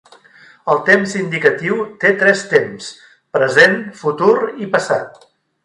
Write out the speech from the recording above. El temps indicatiu té tres temps: present, futur i passat.